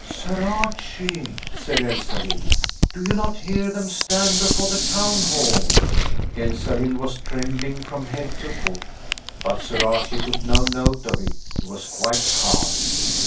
"Sir Archie," said Elsalill, "do you not hear them stand before the town hall?" Elsalill was trembling from head to foot, but Sir Archie took no note of it; he was quite calm.